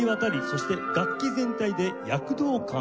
そして楽器全体で躍動感を生む